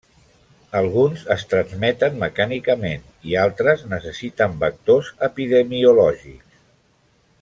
Alguns es transmeten mecànicament i altres necessiten vectors epidemiològics.